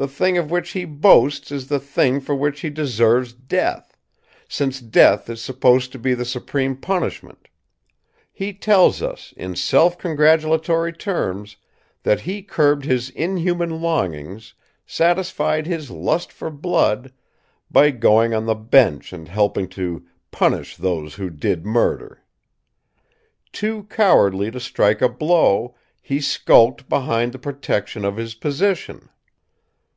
The thing of which he boasts is the thing for which he deserves death since death is supposed to be the supreme punishment. He tells us, in self congratulatory terms, that he curbed his inhuman longings, satisfied his lust for blood, by going on the bench and helping to 'punish those who did murder!' "Too cowardly to strike a blow, he skulked behind the protection of his position.